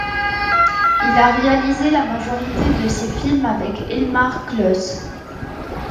Il a réalisé la majorité de ses films avec Elmar Klos.